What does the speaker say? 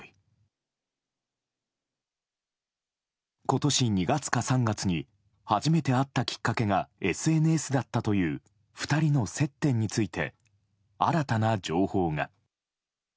今年２月か３月に初めて会ったきっかけがＳＮＳだったという２人の接点について新たな情報が。